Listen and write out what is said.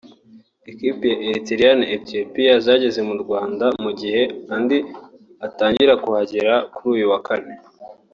Ikipe ya Eritrea na Ethiopia zageze mu Rwanda mu gihe andi atangira kuhagera kuri uyu wa Kane